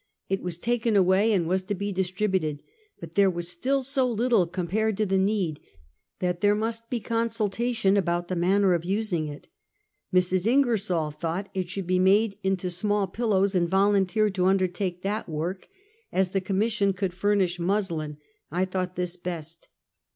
• It was taken away and was to be distributed; but there was still so little compared to the need, that there must be con sultation about the manner of using it. Mrs. Inger sol thought it should be made into small pillows, and volunteered to undertake that work; as the Commission could furnish muslin, I thought this best.